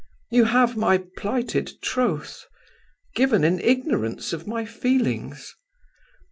You have my plighted troth ... given in ignorance of my feelings.